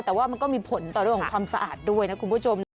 แต่ว่ามันก็มีผลต่อเรื่องของความสะอาดด้วยนะคุณผู้ชมนะ